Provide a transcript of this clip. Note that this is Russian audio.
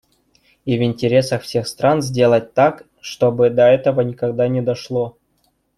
И в интересах всех стран сделать так, чтобы до этого никогда не дошло.